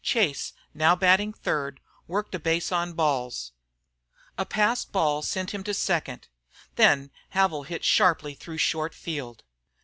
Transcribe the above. Chase, now batting third, worked a base on balls. A passed ball sent him to second. Then Havil hit sharply through short field.